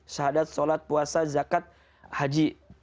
syahadat sholat puasa zakat haji